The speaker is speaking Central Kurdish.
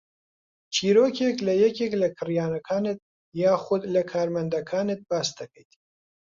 چیرۆکێک لە یەکێک لە کڕیارەکانت یاخوود لە کارمەندەکانت باس دەکەیت